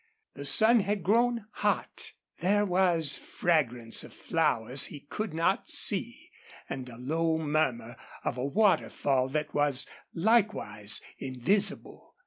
The sun had grown hot. There was fragrance of flowers he could not see and a low murmur of a waterfall that was likewise invisible.